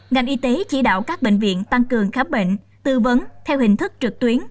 ngành y tế chỉ đạo các bệnh viện tăng cường khám bệnh tư vấn theo hình thức trực tuyến